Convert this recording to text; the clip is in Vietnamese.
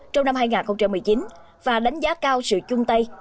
trong năm hai nghìn một mươi chín và đánh giá cao sự chung tay